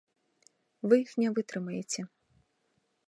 Вы іх не вытрымаеце.